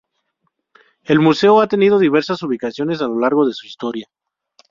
El Museo ha tenido diversas ubicaciones a lo largo de su historia.